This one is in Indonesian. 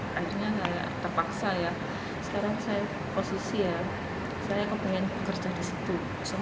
ketima disitu ya